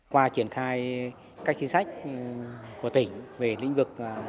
qua triển khai các chính sách của tỉnh về lý do